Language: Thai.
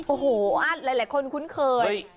โอ้โหอัดหลายคนคุ้นเคย